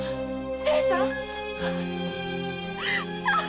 清さんっ